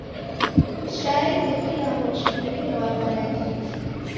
Chai ni kilambo chitumilwagha nandighi.